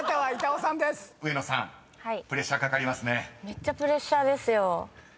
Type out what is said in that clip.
めっちゃプレッシャーですよ。